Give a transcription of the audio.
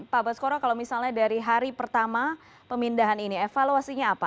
pak baskoro kalau misalnya dari hari pertama pemindahan ini evaluasinya apa